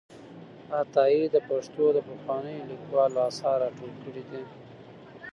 عطایي د پښتو د پخوانیو لیکوالو آثار راټول کړي دي.